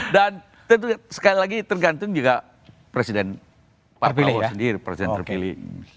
dan tentu sekali lagi tergantung juga presiden pak pao sendiri presiden terpilih